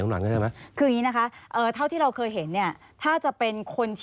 คืออย่างงี้นะคะเท่าที่เราเคยเห็น